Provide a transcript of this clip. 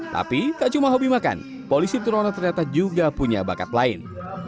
tapi tak cuma hobi makan polisi turono ternyata juga punya bakat lain